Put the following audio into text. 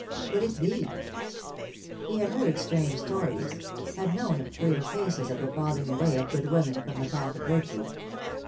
Could it be ? He had heard strange stories — had known of queer cases of the falling away of good women from the path of virtue.